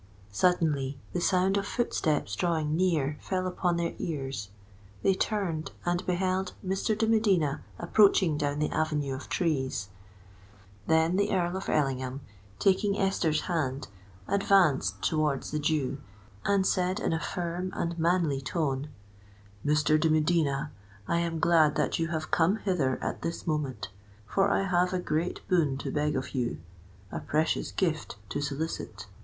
Suddenly the sound of footsteps drawing near fell upon their ears: they turned, and beheld Mr. de Medina approaching down the avenue of trees. Then the Earl of Ellingham, taking Esther's hand, advanced towards the Jew and said in a firm and manly tone, "Mr. de Medina, I am glad that you have come hither at this moment, for I have a great boon to beg of you—a precious gift to solicit!"